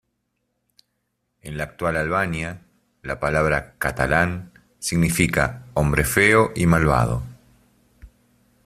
En la actual Albania, la palabra "catalán" significa "hombre feo y malvado".